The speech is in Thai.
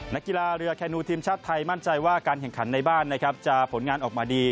นักกีฬาเรือแคนูทีมชาติไทยมั่นใจว่าการแข่งขันในบ้านนะครับจะผลงานออกมาดี